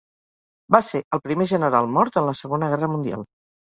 Va ser el primer general mort en la Segona Guerra Mundial.